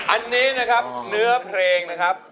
อันนี้นะครับเนื้อเพลงนะครับ